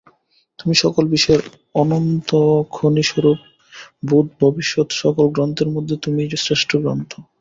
তুমি সকল বিষয়ের অনন্তখনিস্বরূপ, ভূত-ভবিষ্যৎ সকল গ্রন্থের মধ্যে তুমিই শ্রেষ্ঠ গ্রন্থ।